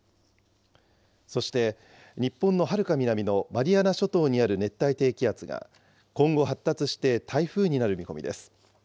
そして、日本のはるか南のマリアナ諸島にある熱帯低気圧が今後、発達して台風になる見込みです。